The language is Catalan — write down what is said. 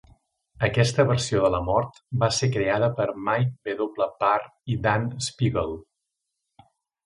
Aquesta versió de la Mort va ser creada per Mike W. Barr i Dan Spiegle.